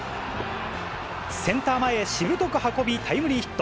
センター前へしぶとく運び、タイムリーヒット。